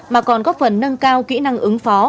mà còn góp phần nâng cao kỹ năng ứng phó